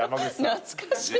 懐かしい。